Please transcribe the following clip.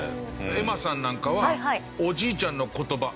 エマさんなんかはおじいちゃんの言葉